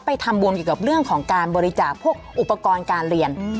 ไปทำบุญเกี่ยวกับเรื่องของการบริจาคพวกอุปกรณ์การเรียน